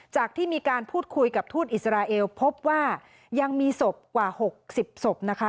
ที่มีการพูดคุยกับทูตอิสราเอลพบว่ายังมีศพกว่า๖๐ศพนะคะ